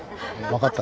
分かった？